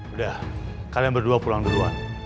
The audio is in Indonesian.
udah kalian berdua pulang duluan